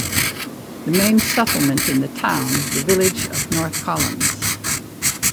The main settlement in the town is the village of North Collins.